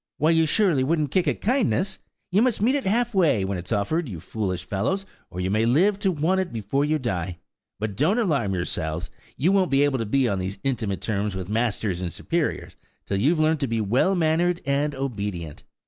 "Why, you surely wouldn't kick at kindness? You must meet it half way, when it's offered, you foolish fellows, or you may live to want it before you die! But, don't alarm yourselves! You won't be able to be on these intimate terms with masters and superiors, till you've learnt to be well mannered and obedient.